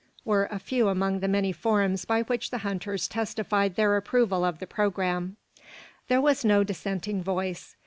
were a few among the many forms by which the hunters testified their approval of the programme. There was no dissenting voice.